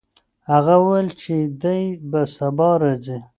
هغه وویل چې دی به سبا راځي.